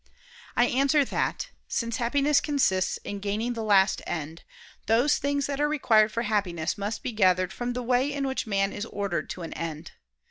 I answer that, Since Happiness consists in gaining the last end, those things that are required for Happiness must be gathered from the way in which man is ordered to an end.